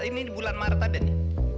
ini bulan maret tadi